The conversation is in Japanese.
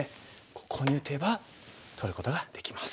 ここに打てば取ることができます。